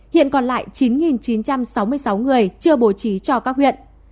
hiện còn lại chín chín trăm sáu mươi sáu người chưa bố trí cho các huyện